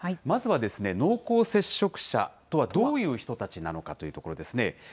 まずは、濃厚接触者とはどういう人たちなのかというところですね。